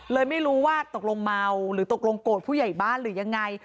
เลยไม่รู้ว่าตกลงเมาหรือตกลงโกรธผู้ใหญ่บ้านหรือยังไง